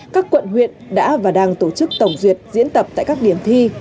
các quận huyện đã và đang tổ chức tổng duyệt diễn tập tại các điểm thi